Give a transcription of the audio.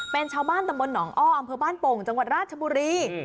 เป็นชาวบ้านตำบลหนองอ้ออำเภอบ้านโป่งจังหวัดราชบุรี